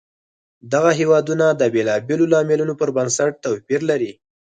دغه هېوادونه د بېلابېلو لاملونو پر بنسټ توپیر لري.